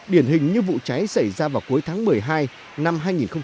điển hình như vụ cháy xảy ra vào cuối tháng một mươi hai năm hai nghìn một mươi tám